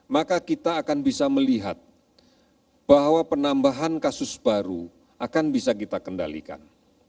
maka kita akan bisa melihat bahwa penambahan kasus baru akan bisa kita kendalikan